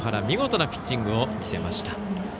見事なピッチングを見せました。